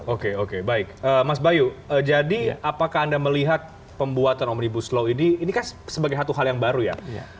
oke oke baik mas bayu jadi apakah anda melihat pembuatan omnibus law ini kan sebagai satu hal yang baru ya